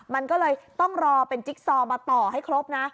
มันก็เลยต้องรอเป็นจิ๊กซอมาต่อให้ครบนะ